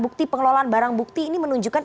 bukti pengelolaan barang bukti ini menunjukkan